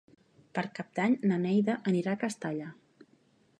Per Cap d'Any na Neida anirà a Castalla.